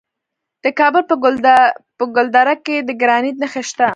د کابل په ګلدره کې د ګرانیټ نښې شته.